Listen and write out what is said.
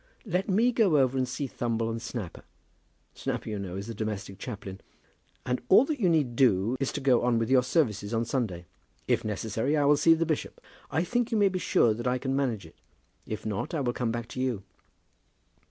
Let me go over and see Thumble and Snapper, Snapper, you know, is the domestic chaplain; and all that you need do is to go on with your services on Sunday. If necessary, I will see the bishop. I think you may be sure that I can manage it. If not, I will come back to you."